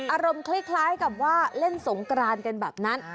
อารมณ์คล้ายกับว่าเล่นสงกรานกันแบบนั้น